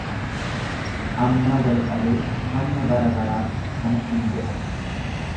Ammaa jalqabee hamma bara baraatti kana in godha.